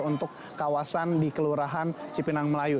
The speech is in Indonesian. untuk kawasan di kelurahan cipinang melayu